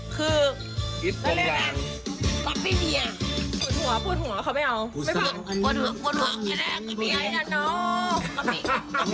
กับพี่เมียเหมือนเมียกันไป